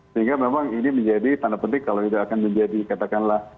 sehingga memang ini menjadi tanda penting kalau itu akan menjadi katakanlah